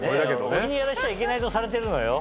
小木にやらしちゃいけないとされてるのよ。